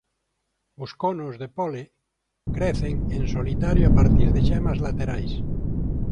Os conos de pole crecen en solitario a partir de xemas laterais.